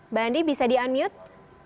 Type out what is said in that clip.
mbak andi bisa di unmute